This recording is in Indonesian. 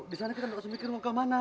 di sana kita harus mikir mau kemana